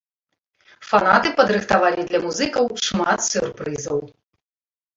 Фанаты падрыхтавалі для музыкаў шмат сюрпрызаў.